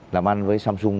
làm ăn với samsung